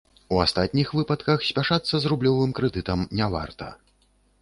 У астатніх выпадках спяшацца з рублёвым крэдытам не варта.